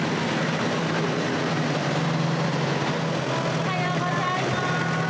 おはようございます。